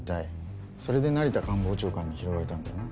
それで成田官房長官に拾われたんだよな。